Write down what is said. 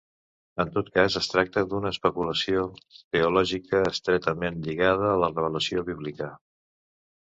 En tot cas, es tracta d'una especulació teològica estretament lligada a la revelació bíblica.